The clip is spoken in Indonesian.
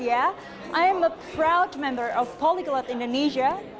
saya adalah seorang perempuan poliglot indonesia